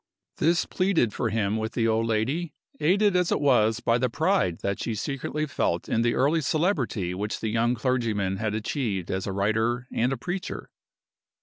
This pleaded for him with the old lady, aided as it was by the pride that she secretly felt in the early celebrity which the young clergyman had achieved as a writer and a preacher.